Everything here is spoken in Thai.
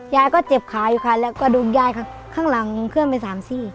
ยายก็เจ็บขาอยู่ค่ะแล้วก็ดูดยายข้างหลังเคลื่อนไป๓๔